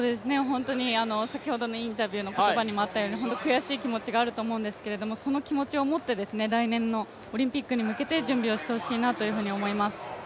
先ほどのインタビューの言葉にもあったように、本当に悔しい気持ちがあると思うんですけどその気持ちを持って来年のオリンピックに向けて準備をしてほしいなと思います。